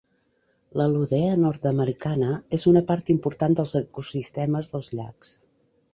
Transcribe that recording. L'elodea nord-americana és una part important dels ecosistemes dels llacs.